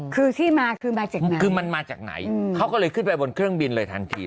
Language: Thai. คือที่มาคือมาจากไหนคือมันมาจากไหนเขาก็เลยขึ้นไปบนเครื่องบินเลยทันที